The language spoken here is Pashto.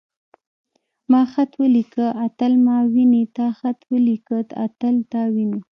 ما خط وليکه. اتل ما ويني.تا خط وليکه. اتل تا ويني.